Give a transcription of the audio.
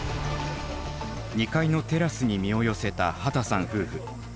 ２階のテラスに身を寄せた秦さん夫婦。